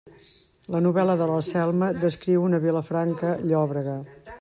La novel·la de la Selma descriu una Vilafranca llòbrega.